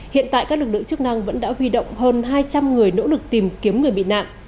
hiện tại các lực lượng chức năng vẫn đã huy động hơn hai trăm linh người nỗ lực tìm kiếm người bị nạn